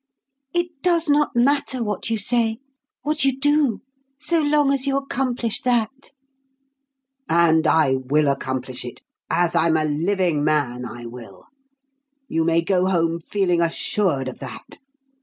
"It does not matter what you say, what you do, so long as you accomplish that." "And I will accomplish it as I'm a living man, I will! You may go home feeling assured of that.